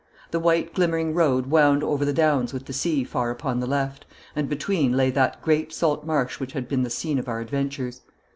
The white glimmering road wound over the downs with the sea far upon the left, and between lay that great salt marsh which had been the scene of our adventures.